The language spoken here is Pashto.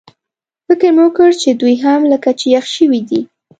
فکر مې وکړ چې دوی هم لکه چې یخ شوي دي.